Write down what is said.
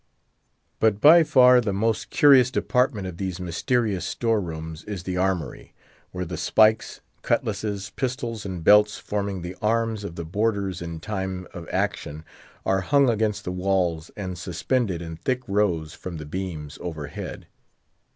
But by far the most curious department of these mysterious store rooms is the armoury, where the spikes, cutlasses, pistols, and belts, forming the arms of the boarders in time of action, are hung against the walls, and suspended in thick rows from the beams overhead.